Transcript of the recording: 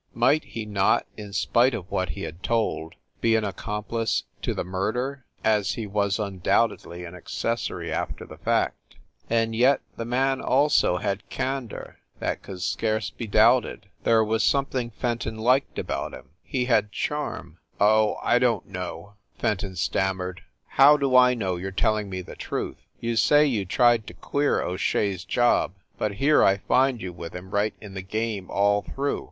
Might he not, in spite of what he had told, be an accomplice to the murder, as he was undoubt edly an accessory after the fact? And yet, the man also had candor that could scarce be doubted. There was something Fenton liked about him; he had charm. "Oh, I don t know!" Fenton stammered. "How do I know you re telling me the truth? You say you tried to queer O Shea s job, but here I find you with him right in the game all through!"